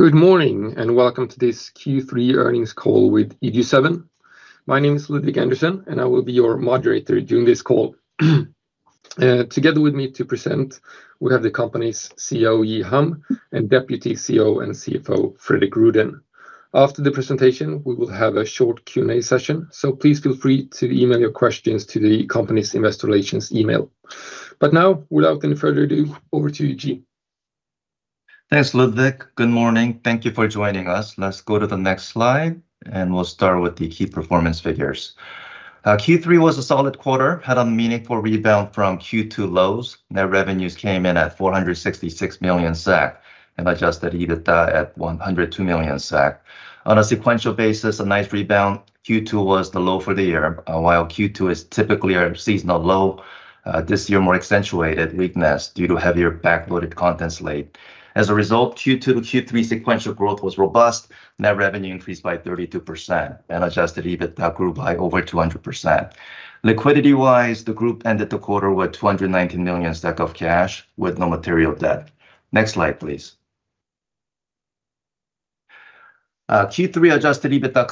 Good morning and welcome to this Q3 earnings call with EG7. My name is Ludvig Andersson, and I will be your moderator during this call. Together with me to present, we have the company's CEO, Ji Ham, and Deputy CEO and CFO, Fredrik Rüdén. After the presentation, we will have a short Q&A session, so please feel free to email your questions to the company's investor relations email. But now, without any further ado, over to you, Ji. Thanks, Ludvig. Good morning. Thank you for joining us. Let's go to the next slide, and we'll start with the key performance figures. Q3 was a solid quarter, had a meaningful rebound from Q2 lows. Net revenues came in at 466 million SEK and adjusted EBITD A at 102 million SEK. On a sequential basis, a nice rebound. Q2 was the low for the year, while Q2 is typically a seasonal low. This year, more accentuated weakness due to heavier backloaded contents late. As a result, Q2 to Q3 sequential growth was robust. Net revenue increased by 32%, and adjusted EBITDA grew by over 200%. Liquidity-wise, the group ended the quarter with 219 million SEK of cash, with no material debt. Next slide, please. Q3 adjusted EBITDA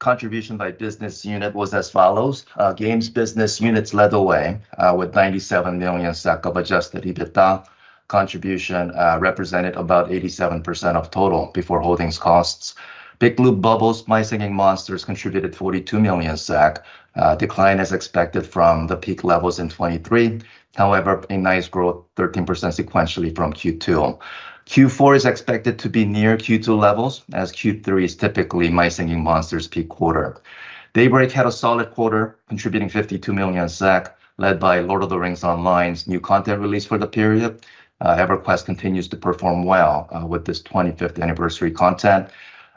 contribution by business unit was as follows. Games business units led the way with 97 million SEK of adjusted EBITDA. Contribution represented about 87% of total before holdings costs. Big Blue Bubble's My Singing Monsters contributed 42 million SEK. Decline as expected from the peak levels in 2023. However, a nice growth, 13% sequentially from Q2. Q4 is expected to be near Q2 levels, as Q3 is typically My Singing Monsters' peak quarter. Daybreak had a solid quarter, contributing 52 million SEK, led by Lord of the Rings Online's new content release for the period. EverQuest continues to perform well with this 25th anniversary content.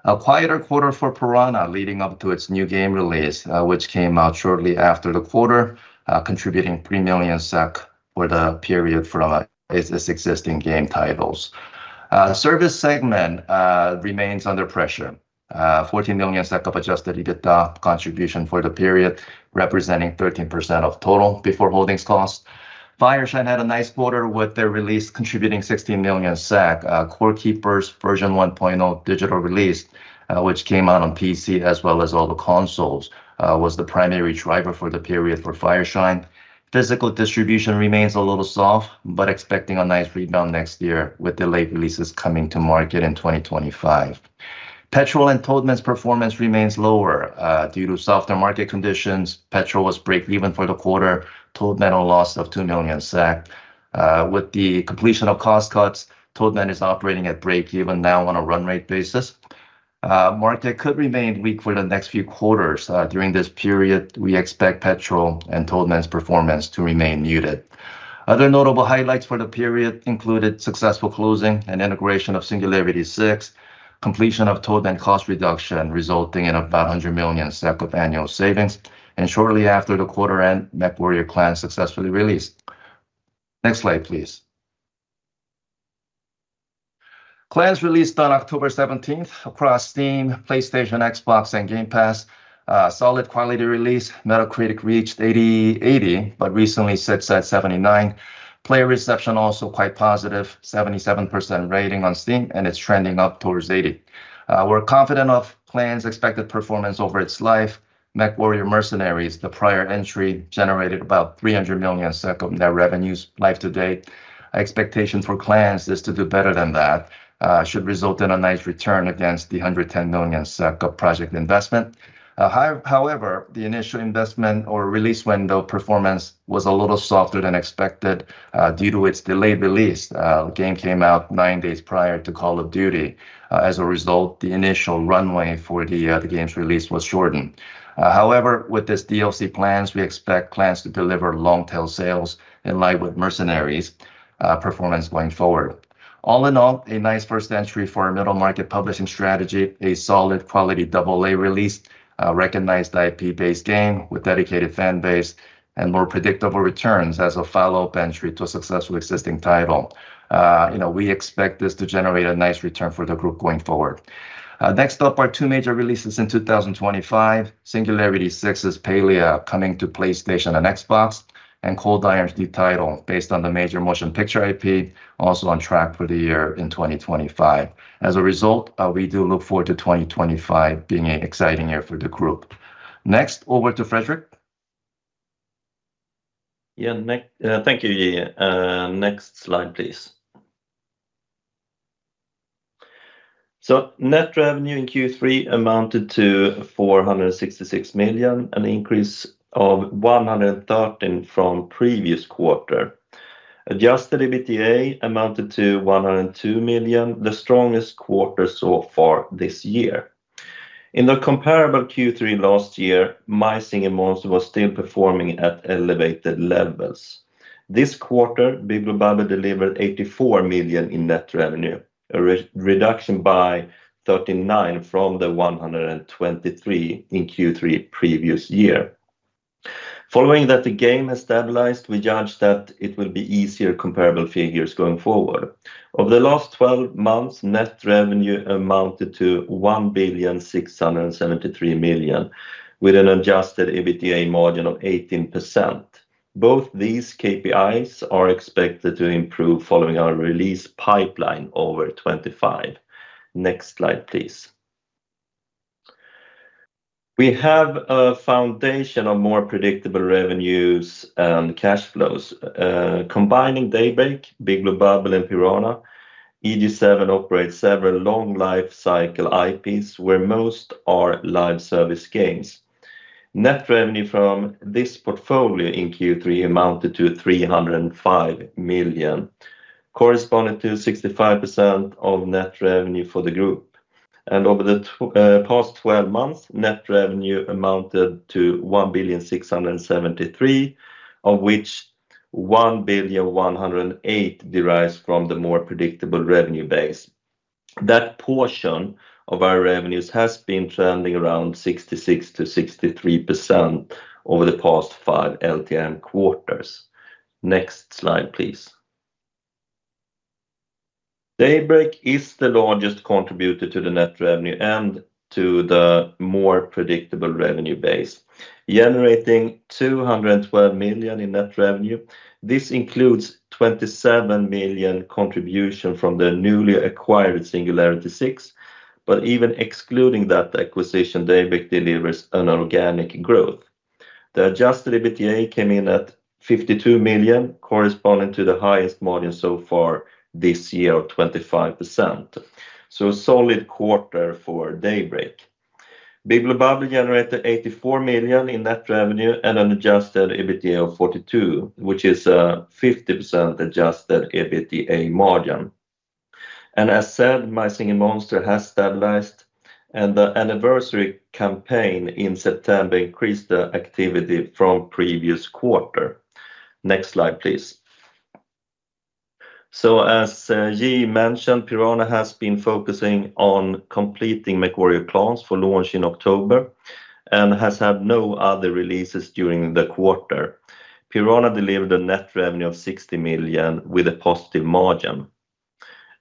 A quieter quarter for Piranha leading up to its new game release, which came out shortly after the quarter, contributing 3 million SEK for the period from its existing game titles. Service segment remains under pressure. 14 million SEK of adjusted EBITDA contribution for the period, representing 13% of total before holdings cost. Fireshine had a nice quarter with their release, contributing 16 million SEK. Core Keeper version 1.0 digital release, which came out on PC as well as all the consoles, was the primary driver for the period for Fireshine. Physical distribution remains a little soft, but expecting a nice rebound next year with delayed releases coming to market in 2025. Petrol and Toadman's performance remains lower due to softer market conditions. Petrol was break-even for the quarter, Toadman a loss of two million SEK. With the completion of cost cuts, Toadman is operating at break-even now on a run rate basis. Market could remain weak for the next few quarters. During this period, we expect Petrol and Toadman's performance to remain muted. Other notable highlights for the period included successful closing and integration of Singularity 6, completion of Toadman cost reduction resulting in about 100 million SEK of annual savings, and shortly after the quarter-end, MechWarrior 5: Clans successfully released. Next slide, please. Clans released on October 17th across Steam, PlayStation, Xbox, and Game Pass. Solid quality release. Metacritic reached 80, but recently sits at 79. Player reception also quite positive, 77% rating on Steam, and it's trending up towards 80. We're confide nt of Clans expected performance over its life. MechWarrior 5: Mercenaries, the prior entry, generated about 300 million of net revenues to date. Expectation for Clans is to do better than that, should result in a nice return against the 110 million of project investment. However, the initial investment or release window performance was a little softer than expected due to its delayed release. The game came out nine days prior to Call of Duty. As a result, the initial runway for the game's release was shortened. However, with this DLC, we expect Clans to deliver long-tail sales in line with Mercenaries' performance going forward. All in all, a nice first entry for a middle market publishing strategy, a solid quality AA release, recognized IP-based game with dedicated fan base, and more predictable returns as a follow-up entry to a successful existing title. We expect this to generate a nice return for the group going forward. Next up are two major releases in 2025. Singularity 6's Palia coming to PlayStation and Xbox, and Cold Iron Studios' the title based on the major motion picture IP, also on track for the year in 2025. As a result, we do look forward to 2025 being an exciting year for the group. Next, over to Fredrik. Yeah, thank you, Ji. Next slide, please. So net revenue in Q3 amounted to 466 million, an increase of 113 million from previous quarter. adjusted EBITDA amounted to 102 million, the strongest quarter so far this year. In the comparable Q3 last year, My Singing Monsters was still performing at elevated levels. This quarter, Big Blue Bubble delivered 84 million in net revenue, a reduction by 39 million from the 123 million in Q3 previous year. Following that, the game has stabilized. We judge that it will be easier comparable figures going forward. Over the last 12 months, net revenue amounted to 1,673 million, with an adjusted EBITDA margin of 18%. Both these KPIs are expected to improve following our release pipeline over 2025. Next slide, please. We have a foundation of more predictable revenues and cash flows. Combining Daybreak, Big Blue Bubble, and Piranha, EG7 operates several long life cycle IPs, where most are live service games. Net revenue from this portfolio in Q3 amounted to 305 million, corresponding to 65% of net revenue for the group, and over the past 12 months, net revenue amounted to 1,673, of which 1,108 derives from the more predictable revenue base. That portion of our revenues has been trending around 66%-63% over the past five LTM quarters. Next slide, please. Daybreak is the largest contributor to the net revenue and to the more predictable revenue base, generating 212 million in net revenue. This includes 27 million contribution from the newly acquired Singularity 6. But even excluding that acquisition, Daybreak delivers an organic growth. The adjusted EBITDA came in at 52 million, corresponding to the highest margin so far this year of 25%, so a solid quarter for Daybreak. Big Blue Bubble generated 84 million in net revenue and an adjusted EBITDA of 42 million, which is a 50% adjusted EBITDA margin, and as said, My Singing Monsters has stabilized, and the anniversary campaign in September increased the activity from previous quarter. Next slide, please. So as Ji mentioned, Piranha has been focusing on completing MechWarrior 5: Clans for launch in October and has had no other releases during the quarter. Piranha delivered a net revenue of 60 million with a positive margin.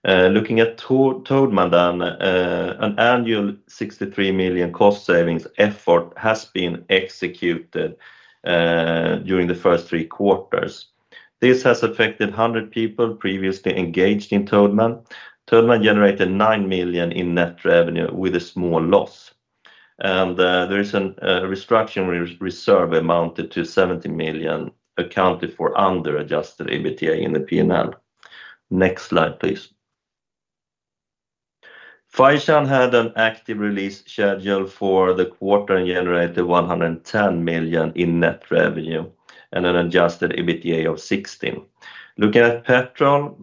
Looking at Toadman, then an annual 63 million cost savings effort has been executed during the first three quarters. This has affected 100 people previously engaged in Toadman. Toadman generated 9 million in net revenue with a small loss, and there is a restructuring reserve amounted to 70 million, accounted for under adjusted EBITDA in the P&L. Next slide, please. Fireshine had an active release schedule for the quarter and generated 110 million in net revenue and an adjusted EBITDA of 16 million. Looking at Petrol,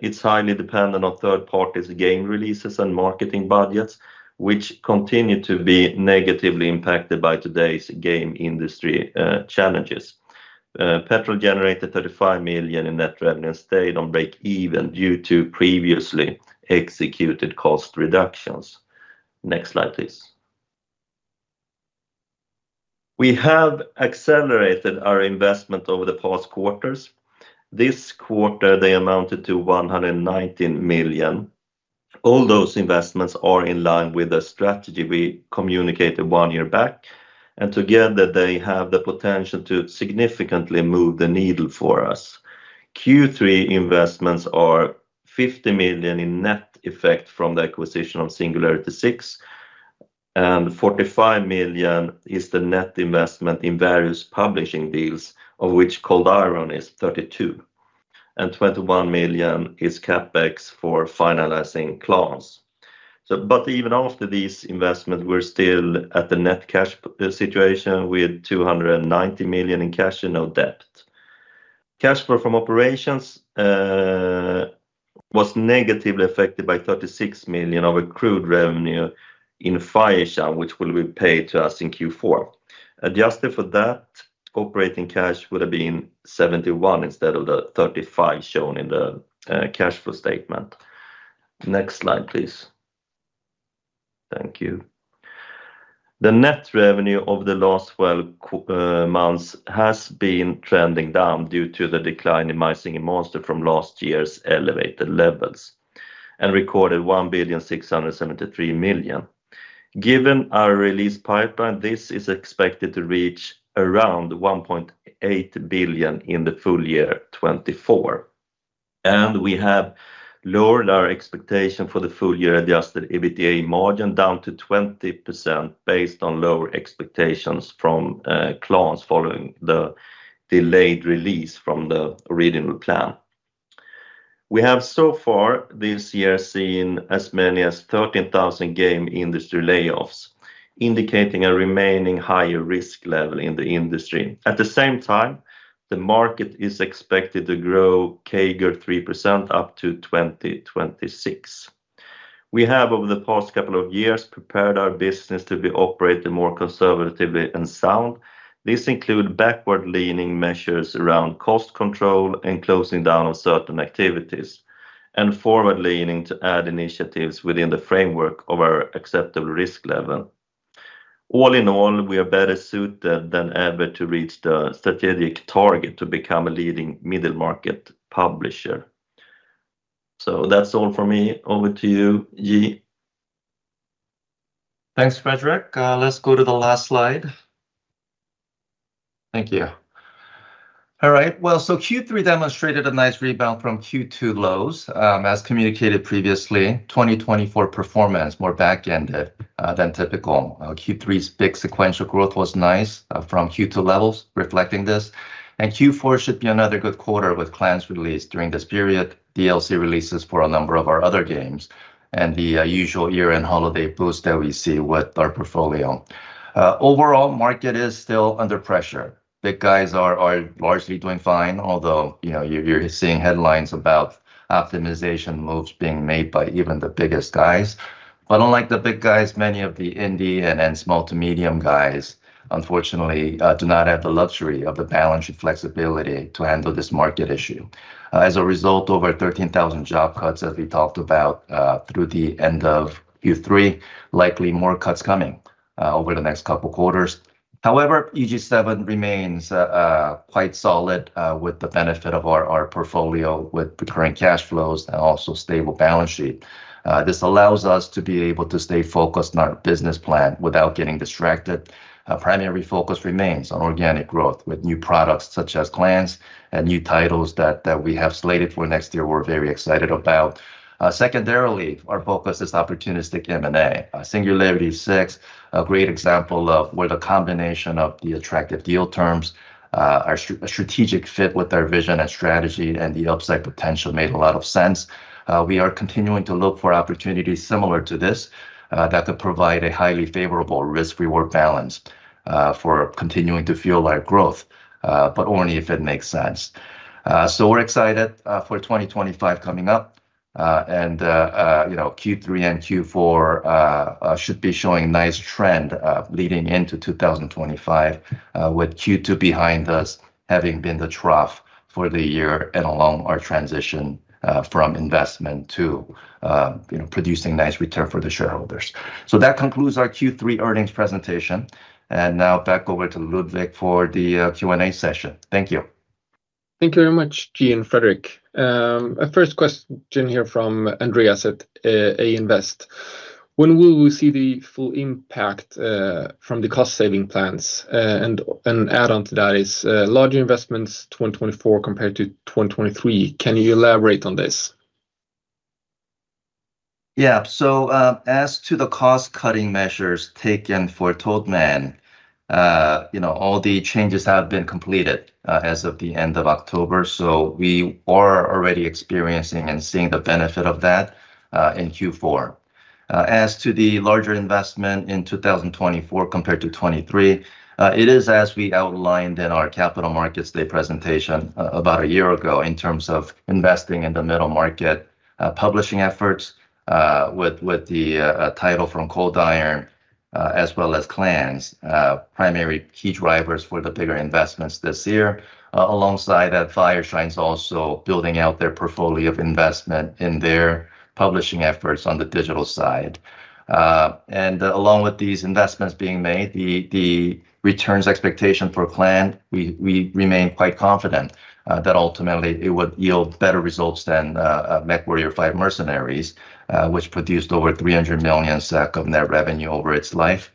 it's highly dependent on third parties' game releases and marketing budgets, which continue to be negatively impacted by today's game industry challenges. Petrol generated 35 million in net revenue and stayed on break-even due to previously executed cost reductions. Next slide, please. We have accelerated our investment over the past quarters. This quarter, they amounted to 119 million. All those investments are in line with the strategy we communicated one year back, and together, they have the potential to significantly move the needle for us. Q3 investments are 50 million in net effect from the acquisition of Singularity 6, and 45 million is the net investment in various publishing deals, of which Cold Iron is 32 million, and 21 million is CapEx for finalizing Clans. Even after these investments, we're still at the net cash situation with 290 million SEK in cash and no debt. Cash flow from operations was negatively affected by 36 million SEK of accrued revenue in Fireshine, which will be paid to us in Q4. adjusted for that, operating cash would have been 71 million SEK instead of the 35 million SEK shown in the cash flow statement. Next slide, please. Thank you. The net revenue of the last 12 months has been trending down due to the decline in My Singing Monsters from last year's elevated levels and recorded 1,673 million SEK. Given our release pipeline, this is expected to reach around 1.8 billion SEK in the full year 2024. We have lowered our expectation for the full year adjusted EBITDA margin down to 20% based on lower expectations from Clans following the delayed release from the original plan. We have so far this year seen as many as 13,000 game industry layoffs, indicating a remaining higher risk level in the industry. At the same time, the market is expected to grow CAGR 3% up to 2026. We have, over the past couple of years, prepared our business to be operated more conservatively and sound. This includes backward-leaning measures around cost control and closing down on certain activities, and forward-leaning to add initiatives within the framework of our acceptable risk level. All in all, we are better suited than ever to reach the strategic target to become a leading middle market publisher. So that's all for me. Over to you, Ji. Thanks, Fredrik. Let's go to the last slide. Thank you. All right. Q3 demonstrated a nice rebound from Q2 lows. As communicated previously, 2024 performance is more back-ended than typical. Q3's big sequential growth was nice from Q2 levels, reflecting this, and Q4 should be another good quarter with Clan's release during this period, DLC releases for a number of our other games, and the usual year-end holiday boost that we see with our portfolio. Overall, the market is still under pressure. Big guys are largely doing fine, although you're seeing headlines about optimization moves being made by even the biggest guys, but unlike the big guys, many of the indie and small to medium guys, unfortunately, do not have the luxury of the balance sheet flexibility to handle this market issue. As a result, over 13,000 job cuts, as we talked about through the end of Q3, likely more cuts coming over the next couple of quarters. However, EG7 remains quite solid with the benefit of our portfolio with recurring cash flows and also a stable balance sheet. This allows us to be able to stay focused on our business plan without getting distracted. Our primary focus remains on organic growth with new products such as Clans and new titles that we have slated for next year. We're very excited about. Secondarily, our focus is opportunistic M&A. Singularity 6, a great example of where the combination of the attractive deal terms, our strategic fit with our vision and strategy, and the upside potential made a lot of sense. We are continuing to look for opportunities similar to this that could provide a highly favorable risk-reward balance for continuing to fuel our growth, but only if it makes sense. So we're excited for 2025 coming up. And Q3 and Q4 should be showing a nice trend leading into 2025, with Q2 behind us having been the trough for the year and along our transition from investment to producing nice returns for the shareholders. So that concludes our Q3 earnings presentation. And now back over to Ludvig for the Q&A session. Thank you. Thank you very much, Ji and Fredrik. A first question here from Andreas at A Invest. When will we see the full impact from the cost-saving plans? And an add-on to that is larger investments 2024 compared to 2023. Can you elaborate on this? Yeah. So as to the cost-cutting measures taken for Toadman, all the changes have been completed as of the end of October. So we are already experiencing and seeing the benefit of that in Q4. As to the larger investment in 2024 compared to 2023, it is as we outlined in our Capital Markets Day presentation about a year ago in terms of investing in the middle market publishing efforts with the title from Cold Iron as well as Clans, primary key drivers for the bigger investments this year, alongside that Fireshine's also building out their portfolio of investment in their publishing efforts on the digital side. And along with these investments being made, the returns expectation for Clans, we remain quite confident that ultimately it would yield better results than MechWarrior 5: Mercenaries, which produced over 300 million SEK of net revenue over its life.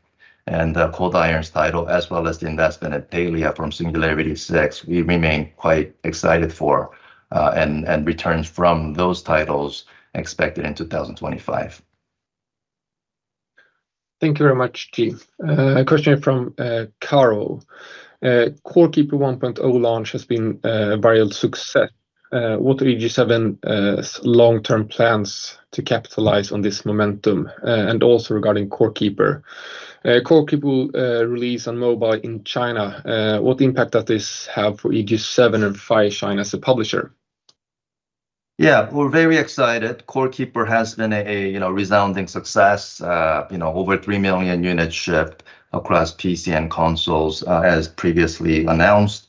Cold Iron's title, as well as the investment at Palia from Singularity 6, we remain quite excited for and returns from those titles expected in 2025. Thank you very much, Ji. A question from Carl. Core Keeper 1.0 launch has been a viral success. What are EG7's long-term plans to capitalize on this momentum? And also regarding Core Keeper, Core Keeper release on mobile in China, what impact does this have for EG7 and Fireshine as a publisher? Yeah, we're very excited. Core Keeper has been a resounding success, over 3 million units shipped across PC and consoles, as previously announced,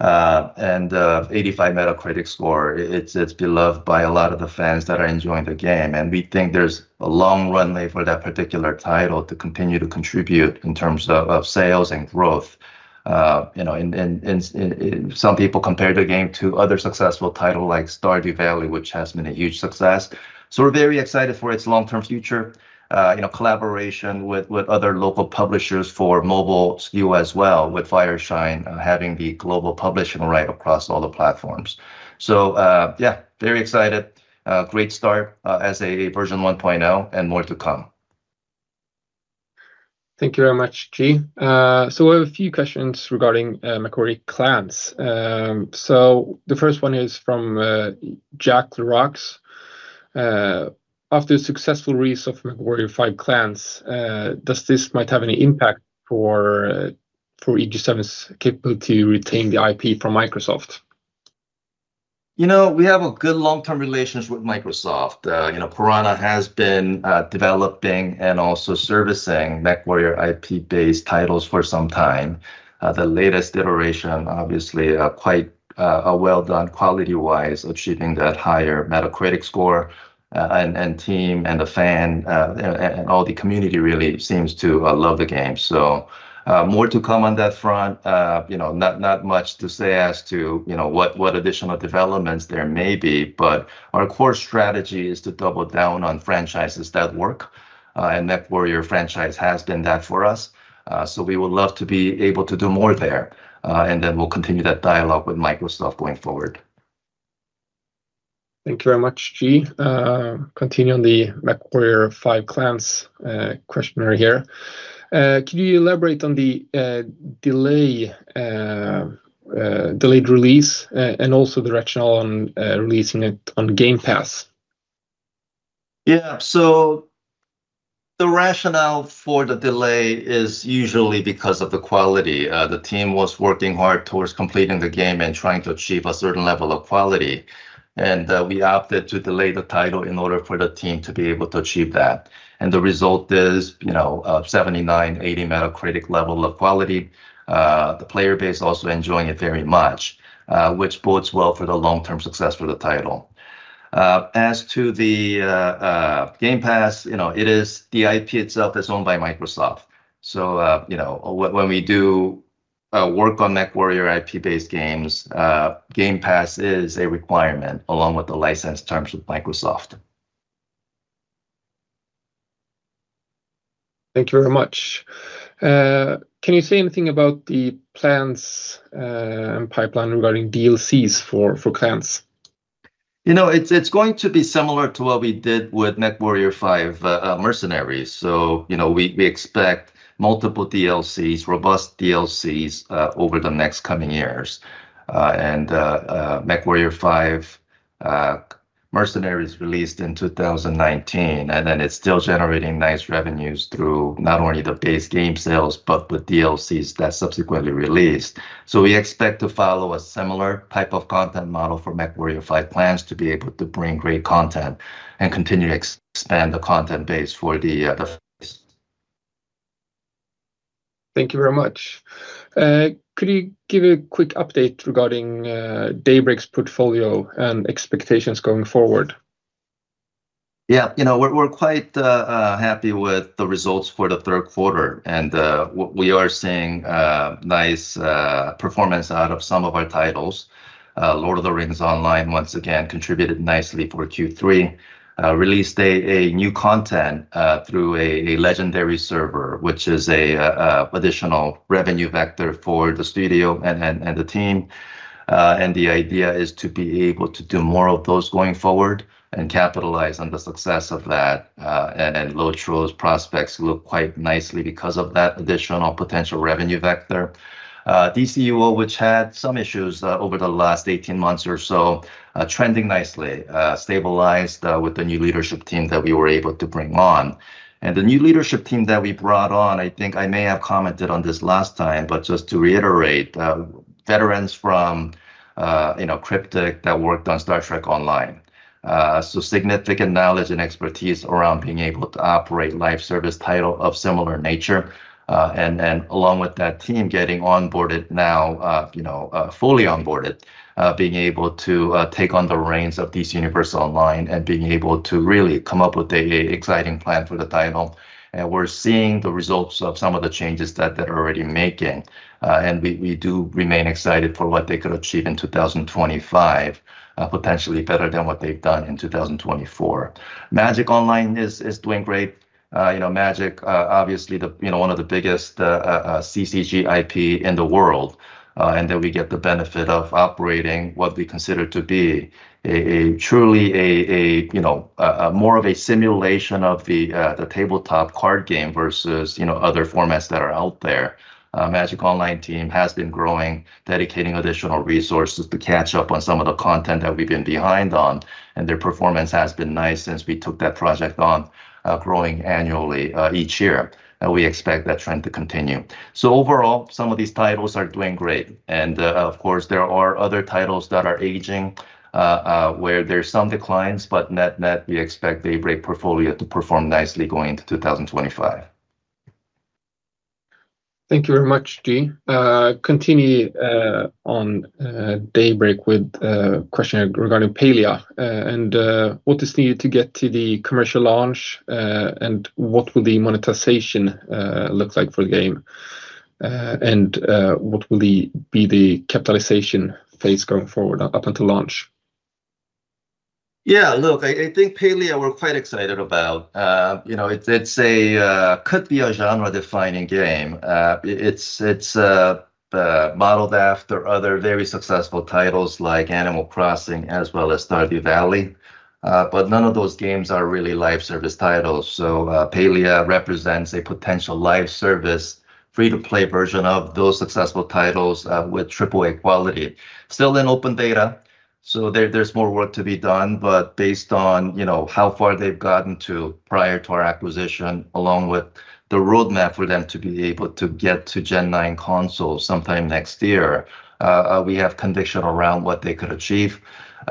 and 85 Metacritic score. It's beloved by a lot of the fans that are enjoying the game, and we think there's a long runway for that particular title to continue to contribute in terms of sales and growth. Some people compare the game to other successful titles like Stardew Valley, which has been a huge success. So we're very excited for its long-term future, collaboration with other local publishers for mobile SKU as well, with Fireshine having the global publishing right across all the platforms, so yeah, very excited. Great start as a version 1.0 and more to come. Thank you very much, Ji. So we have a few questions regarding MechWarrior Clans. So the first one is from Jack the Rocks. After the successful release of MechWarrior 5 Clans, does this might have any impact for EG7's capability to retain the IP from Microsoft? You know, we have good long-term relations with Microsoft. Piranha has been developing and also servicing MechWarrior IP-based titles for some time. The latest iteration, obviously, quite well done quality-wise, achieving that higher Metacritic score, and the team and the fans and all the community really seems to love the game, so more to come on that front. Not much to say as to what additional developments there may be, but our core strategy is to double down on franchises that work, and the MechWarrior franchise has been that for us, so we would love to be able to do more there, and then we'll continue that dialogue with Microsoft going forward. Thank you very much, Ji. Continuing the MechWarrior 5: Clans questionnaire here. Can you elaborate on the delayed release and also the rationale on releasing it on Game Pass? Yeah. So the rationale for the delay is usually because of the quality. The team was working hard towards completing the game and trying to achieve a certain level of quality. And we opted to delay the title in order for the team to be able to achieve that. And the result is 79-80 Metacritic level of quality. The player base also enjoying it very much, which bodes well for the long-term success for the title. As to the Game Pass, the IP itself is owned by Microsoft. So when we do work on MechWarrior IP-based games, Game Pass is a requirement along with the license terms with Microsoft. Thank you very much. Can you say anything about the plans and pipeline regarding DLCs for Clans? It's going to be similar to what we did with MechWarrior 5: Mercenaries, so we expect multiple DLCs, robust DLCs over the next coming years. MechWarrior 5: Mercenaries released in 2019, and then it's still generating nice revenues through not only the base game sales, but with DLCs that subsequently released, so we expect to follow a similar type of content model for MechWarrior 5: Clans to be able to bring great content and continue to expand the content base for the first. Thank you very much. Could you give a quick update regarding Daybreak's portfolio and expectations going forward? Yeah. We're quite happy with the results for the third quarter. And we are seeing nice performance out of some of our titles. Lord of the Rings Online once again contributed nicely for Q3. Released a new content through a legendary server, which is an additional revenue vector for the studio and the team. And the idea is to be able to do more of those going forward and capitalize on the success of that. And LOTRO's prospects look quite nicely because of that additional potential revenue vector. DCUO, which had some issues over the last 18 months or so, trending nicely, stabilized with the new leadership team that we were able to bring on. And the new leadership team that we brought on, I think I may have commented on this last time, but just to reiterate, veterans from Cryptic that worked on Star Trek Online. Significant knowledge and expertise around being able to operate live service titles of similar nature. Along with that team, getting onboarded now, fully onboarded, being able to take on the reins of DC Universe Online and being able to really come up with an exciting plan for the title. We're seeing the results of some of the changes that they're already making. We do remain excited for what they could achieve in 2025, potentially better than what they've done in 2024. Magic Online is doing great. Magic, obviously, one of the biggest CCG IP in the world. Then we get the benefit of operating what we consider to be truly more of a simulation of the tabletop card game versus other formats that are out there. Magic Online team has been growing, dedicating additional resources to catch up on some of the content that we've been behind on. And their performance has been nice since we took that project on, growing annually each year. And we expect that trend to continue. So overall, some of these titles are doing great. And of course, there are other titles that are aging where there's some declines, but net we expect Daybreak portfolio to perform nicely going into 2025. Thank you very much, Ji. Continue on Daybreak with a question regarding Palia. And what is needed to get to the commercial launch? And what will the monetization look like for the game? And what will be the capitalization phase going forward up until launch? Yeah, look, I think Palia we're quite excited about. It could be a genre-defining game. It's modeled after other very successful titles like Animal Crossing as well as Stardew Valley. But none of those games are really live service titles. So Palia represents a potential live service free-to-play version of those successful titles with AAA quality. Still in open beta. So there's more work to be done. But based on how far they've gotten prior to our acquisition, along with the roadmap for them to be able to get to Gen 9 consoles sometime next year, we have conviction around what they could achieve.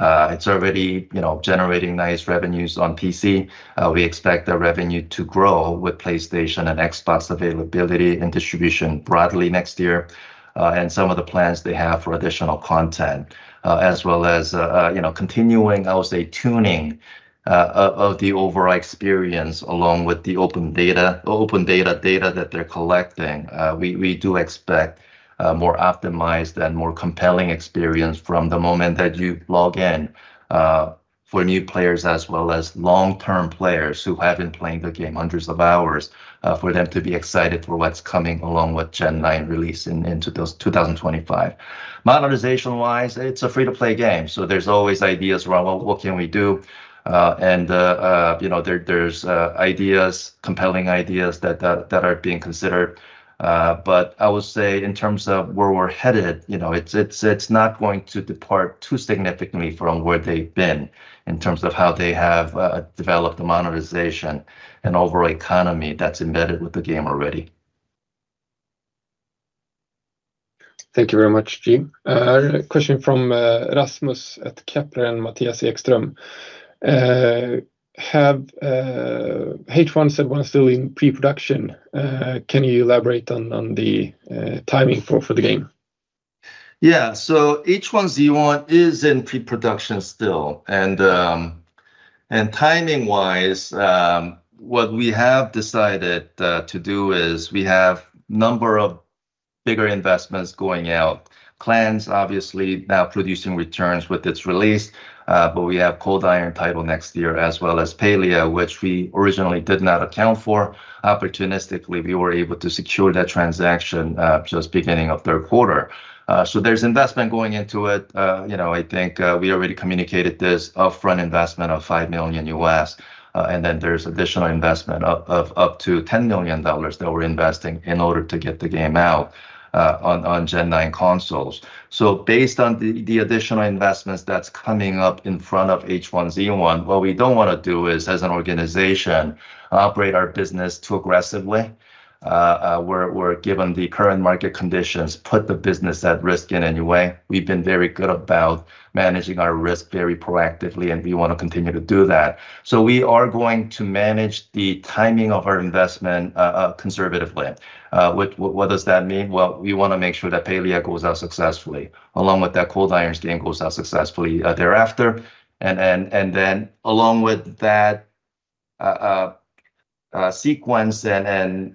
It's already generating nice revenues on PC. We expect that revenue to grow with PlayStation and Xbox availability and distribution broadly next year. Some of the plans they have for additional content, as well as continuing, I would say, tuning of the overall experience along with the open beta data that they're collecting. We do expect a more optimized and more compelling experience from the moment that you log in for new players as well as long-term players who have been playing the game hundreds of hours for them to be excited for what's coming along with Gen 9 release into 2025. Monetization-wise, it's a free-to-play game. So there's always ideas around, well, what can we do? There's ideas, compelling ideas that are being considered. I would say in terms of where we're headed, it's not going to depart too significantly from where they've been in terms of how they have developed the monetization and overall economy that's embedded with the game already. Thank you very much, Ji. Question from Rasmus at Kepler and Mattias Ekström. Have H1Z1 still in pre-production? Can you elaborate on the timing for the game? Yeah. So H1Z1 is in pre-production still. And timing-wise, what we have decided to do is we have a number of bigger investments going out. Clans obviously now producing returns with its release. But we have Cold Iron title next year as well as Palia, which we originally did not account for. Opportunistically, we were able to secure that transaction just beginning of third quarter. So there's investment going into it. I think we already communicated this upfront investment of $5 million. And then there's additional investment of up to $10 million that we're investing in order to get the game out on Gen 9 consoles. So based on the additional investments that's coming up in front of H1Z1, what we don't want to do is, as an organization, operate our business too aggressively. We're given the current market conditions, put the business at risk in any way. We've been very good about managing our risk very proactively, and we want to continue to do that. So we are going to manage the timing of our investment conservatively. What does that mean? Well, we want to make sure that Palia goes out successfully, along with that Cold Iron's game goes out successfully thereafter. And then along with that sequence and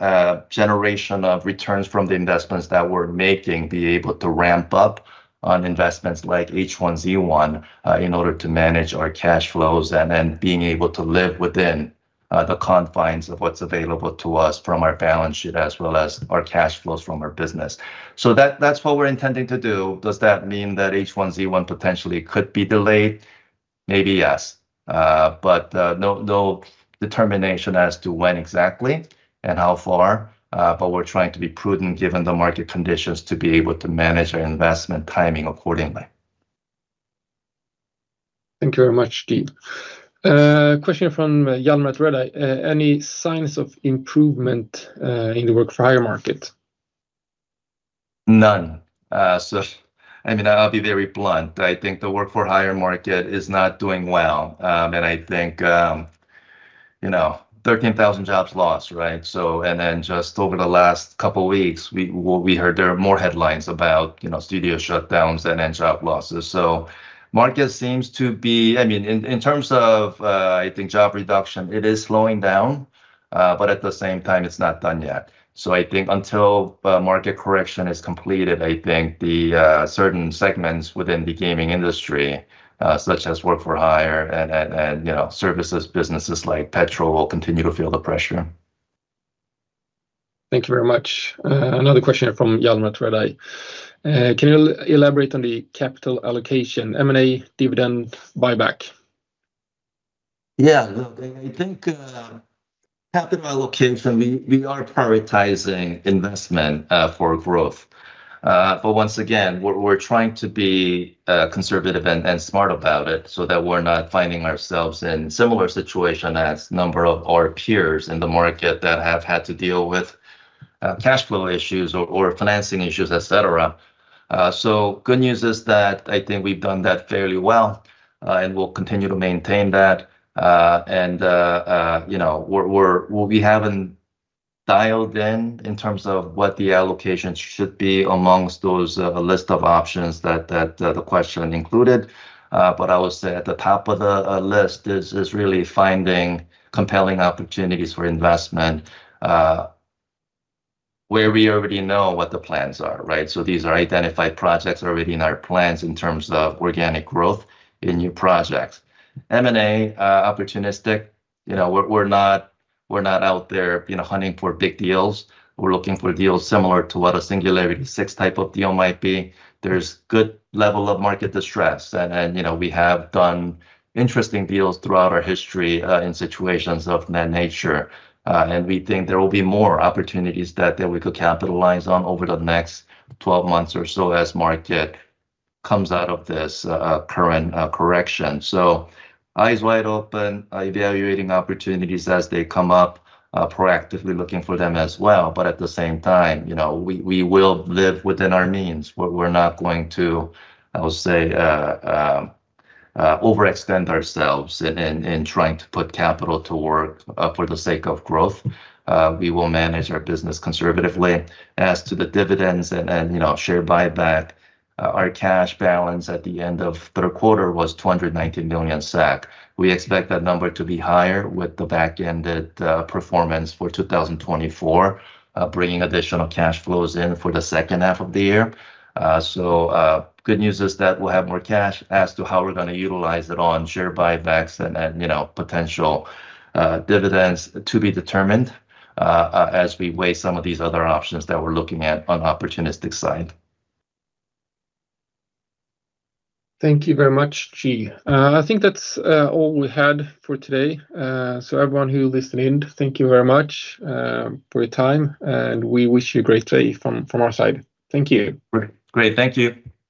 generation of returns from the investments that we're making, be able to ramp up on investments like H1Z1 in order to manage our cash flows and being able to live within the confines of what's available to us from our balance sheet as well as our cash flows from our business. So that's what we're intending to do. Does that mean that H1Z1 potentially could be delayed? Maybe yes. But no determination as to when exactly and how far. But we're trying to be prudent given the market conditions to be able to manage our investment timing accordingly. Thank you very much, Ji. Question from Hjalmar Redeye. Any signs of improvement in the work for hire market? None. I mean, I'll be very blunt. I think the work for hire market is not doing well. And I think 13,000 jobs lost, right? And then just over the last couple of weeks, we heard there are more headlines about studio shutdowns and job losses. So market seems to be, I mean, in terms of, I think, job reduction, it is slowing down. But at the same time, it's not done yet. So I think until market correction is completed, I think certain segments within the gaming industry, such as work for hire and services businesses like Petrol, will continue to feel the pressure. Thank you very much. Another question from Hjalmar at Redeye. Can you elaborate on the capital allocation, M&A, dividend buyback? Yeah. Look, I think capital allocation, we are prioritizing investment for growth. But once again, we're trying to be conservative and smart about it so that we're not finding ourselves in a similar situation as a number of our peers in the market that have had to deal with cash flow issues or financing issues, etc. So good news is that I think we've done that fairly well and will continue to maintain that. And we haven't dialed in in terms of what the allocation should be amongst those list of options that the question included. But I would say at the top of the list is really finding compelling opportunities for investment where we already know what the plans are, right? So these are identified projects already in our plans in terms of organic growth in new projects. M&A, opportunistic. We're not out there hunting for big deals. We're looking for deals similar to what a Singularity 6 type of deal might be. There's good level of market distress, and we have done interesting deals throughout our history in situations of that nature, and we think there will be more opportunities that we could capitalize on over the next 12 months or so as market comes out of this current correction, so eyes wide open, evaluating opportunities as they come up, proactively looking for them as well. But at the same time, we will live within our means. We're not going to, I would say, overextend ourselves in trying to put capital to work for the sake of growth. We will manage our business conservatively. As to the dividends and share buyback, our cash balance at the end of third quarter was 290 million SEK. We expect that number to be higher with the back-ended performance for 2024, bringing additional cash flows in for the second half of the year. So good news is that we'll have more cash as to how we're going to utilize it on share buybacks and potential dividends to be determined as we weigh some of these other options that we're looking at on the opportunistic side. Thank you very much, Ji. I think that's all we had for today. So everyone who listened in, thank you very much for your time. And we wish you a great day from our side. Thank you. Great. Thank you.